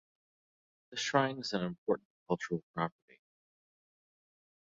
The shrine is an Important Cultural Property.